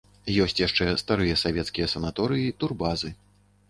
Ёсць яшчэ старыя савецкія санаторыі, турбазы.